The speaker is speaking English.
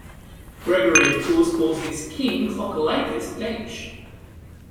Gregory of Tours calls this king "Chlochilaicus" Danish.